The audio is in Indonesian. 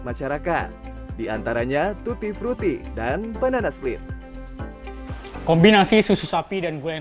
di masyarakat diantaranya tutti frutti dan banana split kombinasi susu sapi dan gula yang